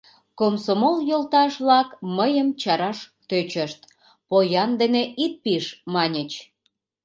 Комсомол йолташ-влак мыйым чараш тӧчышт: поян дене ит пиж, маньыч.